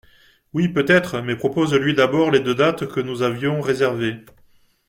Oui, peut-être mais propose lui d’abord les deux dates que nous avions réservées.